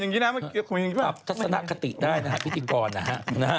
ก็แสดงหากะติได้นะครับพิธีกรนะฮะ